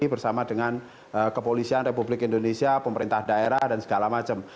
bersama dengan kepolisian republik indonesia pemerintah daerah dan segala macam